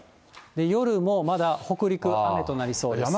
夜もまだ北陸、雨となりそうです。